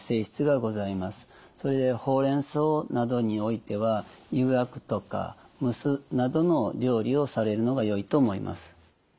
それでほうれんそうなどにおいてはゆがくとか蒸すなどの料理をされるのがよいと思います。